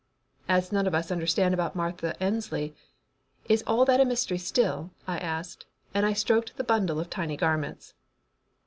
"As none of us understood about Martha Ensley. Is that all a mystery still?" I asked, and I stroked the bundle of tiny garments.